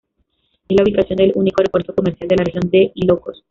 Es la ubicación del único aeropuerto comercial de la región de Ilocos.